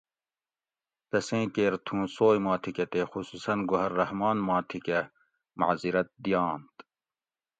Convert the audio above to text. تسیں کیر تھوں سوئ ما تھی کہ تے خصوصاً گوھر رحمان ما تھی کہ معذرت دیانت